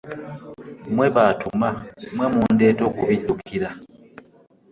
Mmwe b'atuma mmwe mundeeta okubijjukira.